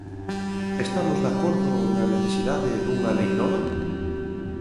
¿Estamos de acordo na necesidade dunha lei nova?